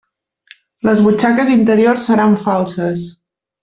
Les butxaques interiors seran falses.